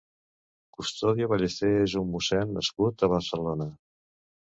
Custodio Ballester és un mossèn nascut a Barcelona.